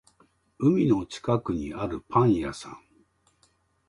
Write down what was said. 海の近くにあるパン屋さん